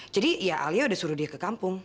jadi ya alia udah suruh dia ke kampung